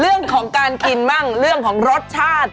เรื่องของการกินบ้างเรื่องของรสชาติ